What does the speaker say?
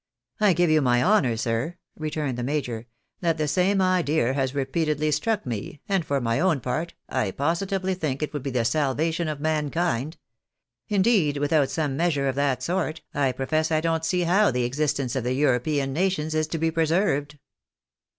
" I give you my honour, sir," returned the major, "that the same idea has repeatedly struck me, and for my own part I posi tively tliink it would be the salvation of mankind. Indeed, with out some measure of that sort, I profess I don't see how the existence of the Em'opean nations is to be preserved."